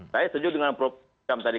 saya setuju dengan prof jam tadi